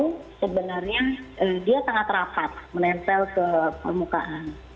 kita tahu sebenarnya dia sangat rapat menempel ke permukaan